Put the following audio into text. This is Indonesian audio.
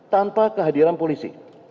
tanpa kehadiran polisi